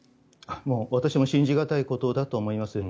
私も信じ難いことだと思います。